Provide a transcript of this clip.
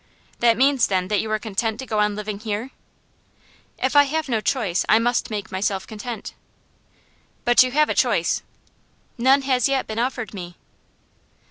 'That means, then, that you are content to go on living here?' 'If I have no choice, I must make myself content.' 'But you have a choice.' 'None has yet been offered me.